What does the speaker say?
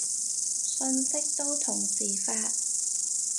信息都同時發